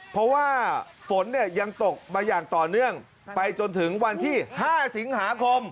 เพราะว่าฝนยังตกมาอย่างต่อเนื่องไปจนถึงวันที่๕สิงหาคม